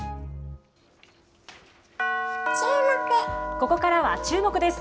ここからはチューモク！です。